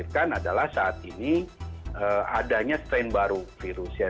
yang adalah saat ini adanya strain baru virus ya